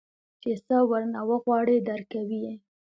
چې سه ورنه وغواړې درکوي يې.